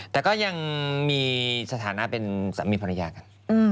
แต่ก็ยังมีสถานะเป็นสามีภรรยากัน